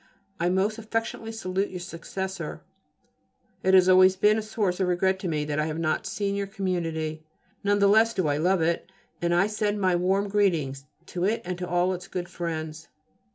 I most affectionately salute your successor. It has always been a source of regret to me that I have not seen your community: none the less do I love it, and I send my warm greetings to it and to all its good friends.